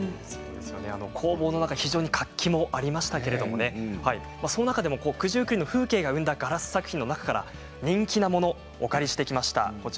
工房の中活気もありましたけれども、その中でも九十九里の風景が生んだから作品の中から人気のものをお借りしました。